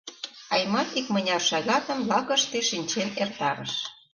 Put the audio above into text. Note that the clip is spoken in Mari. Аймат икмыняр шагатым лакыште шинчен эртарыш.